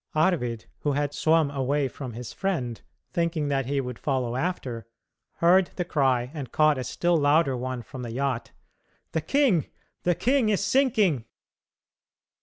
Arvid, who had swum away from his friend, thinking that he would follow after, heard the cry and caught a still louder one from the yacht: "The king, the king is sinking!"